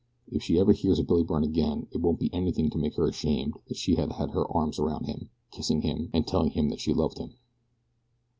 If she ever hears of Billy Byrne again it won't be anything to make her ashamed that she had her arms around him, kissing him, and telling him that she loved him."